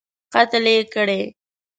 قتل یې کړی.